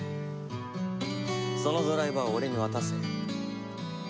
そのドライバーを俺に渡せ。